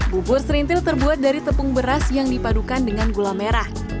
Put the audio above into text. bubur serintil terbuat dari tepung beras yang dipadukan dengan gula merah